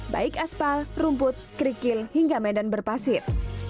baik aspal rumput kerikil hingga medan berpasir